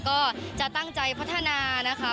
ก็จะตั้งใจพัฒนานะคะ